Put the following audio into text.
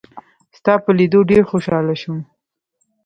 ستا په لیدو ډېر خوشاله شوم.